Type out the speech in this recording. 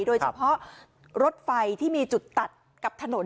โดยเฉพาะรถไฟที่มีจุดตัดกับถนน